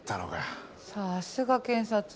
さすが検察。